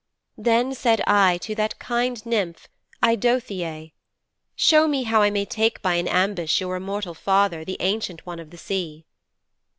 'Then said I to that kind nymph Eidothëe, "Show me how I may take by an ambush your immortal father, the Ancient One of the Sea."'